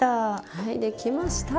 はい出来ました！